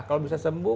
kalau bisa sembuh